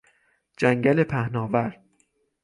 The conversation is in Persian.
جنگل پهناور